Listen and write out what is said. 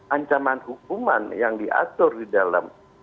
ancaman hukuman yang diatur di dalam